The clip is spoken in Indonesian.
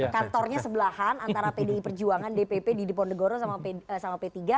kantornya sebelahan antara pdi perjuangan dpp didiponegoro sama p tiga